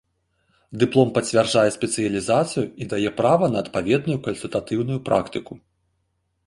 Дыплом пацвярджае спецыялізацыю і дае права на адпаведную кансультатыўную практыку.